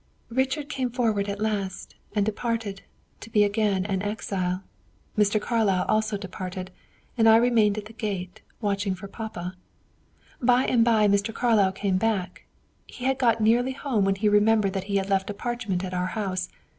"Richard came forth at last, and departed, to be again an exile. Mr. Carlyle also departed; and I remained at the gate, watching for papa. By and by Mr. Carlyle came back again; he had got nearly home when he remembered that he had left a parchment at our house.